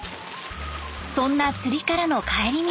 そんな釣りからの帰り道。